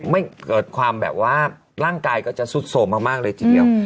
ไม่เกิดความแบบว่าร่างกายก็จะสุดโสมมากเลยทีเดียว